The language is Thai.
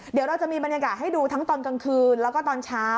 เดี๋ยวเราจะมีบรรยากาศให้ดูทั้งตอนกลางคืนแล้วก็ตอนเช้า